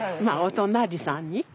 まあお隣さんに。